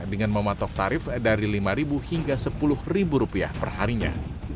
dengan mematok tarif dari lima hingga sepuluh rupiah perharinya